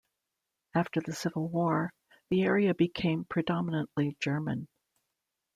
After the Civil War, the area became predominantly German.